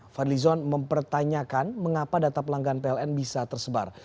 fadli zon mempertanyakan mengapa data pelanggan pln bisa tersebar